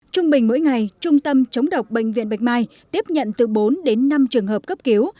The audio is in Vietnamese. trung bình mỗi ngày trung tâm chống độc bệnh viện bạch mai tiếp nhận từ bốn đến năm trường hợp cấp cứu